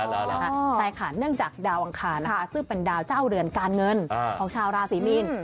ใช่ค่ะเนื่องจากดาวอังคารนะคะซึ่งเป็นดาวเจ้าเรือนการเงินของชาวราศรีมีน